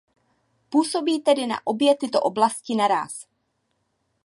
Působí tedy na obě tyto oblasti naráz.